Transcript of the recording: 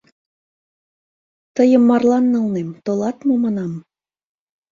Тыйым марлан налнем, толат мо, манам.